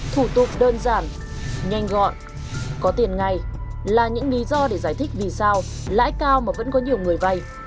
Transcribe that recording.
thủ tục đơn giản nhanh gọn có tiền ngay là những lý do để giải thích vì sao lãi cao mà vẫn có nhiều người vay